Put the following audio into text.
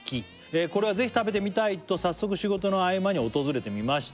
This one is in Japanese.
「これはぜひ食べてみたいと早速仕事の合間に訪れてみました」